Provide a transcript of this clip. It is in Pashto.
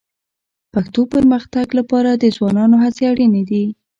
پښتو پرمختګ لپاره د ځوانانو هڅې اړیني دي